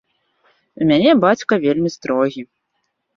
У мяне бацька вельмі строгі.